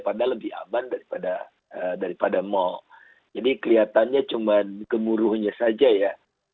padahal lebih aman daripada mal jadi kelihatannya cuma gemuruhnya saja ya